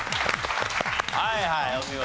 はいはいお見事！